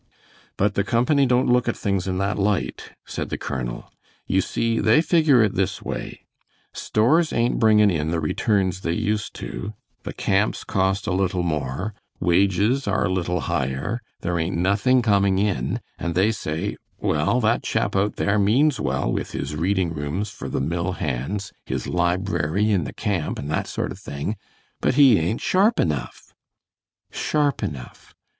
"But the company don't look at things in that light," said the colonel. "You see they figure it this way, stores ain't bringing in the returns they used to, the camps cost a little more, wages are a little higher, there ain't nothing coming in, and they say, Well, that chap out there means well with his reading rooms for the mill hands, his library in the camp, and that sort of thing, but he ain't sharp enough!" "Sharp enough!